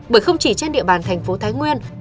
bởi không chỉ trên địa bàn thành phố thái nguyên